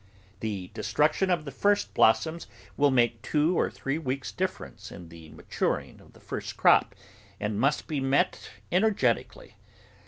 The destruction of these first blossoms will make two or three weeks' difference in the maturing of the first crop and must be met energetically.